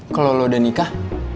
kalau lo udah nikah